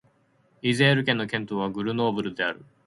イゼール県の県都はグルノーブルである